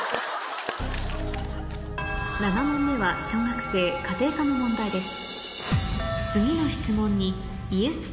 ７問目は小学生家庭科の問題です